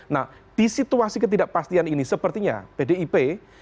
nah di situasi ketidakpastian ini sepertinya pdip